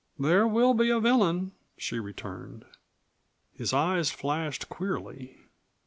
"There will be a villain," she returned. His eyes flashed queerly.